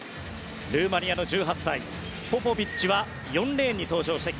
ルーマニアの１８歳ポポビッチは４レーンに登場。